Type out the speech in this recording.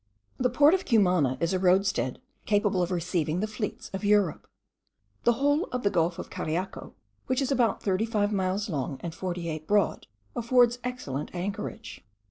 The port of Cumana is a roadstead capable of receiving the fleets of Europe. The whole of the Gulf of Cariaco, which is about 35 miles long and 48 broad, affords excellent anchorage.